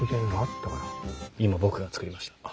今僕が作りました。